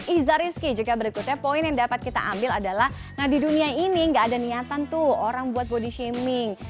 iza rizky juga berikutnya poin yang dapat kita ambil adalah nah di dunia ini gak ada niatan tuh orang buat body shaming